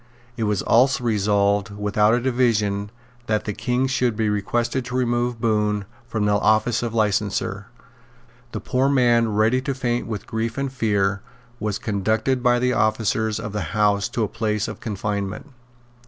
It was also resolved, without a division, that the King should be requested to remove Bohun from the office of licenser. The poor man, ready to faint with grief and fear, was conducted by the officers of the House to a place of confinement.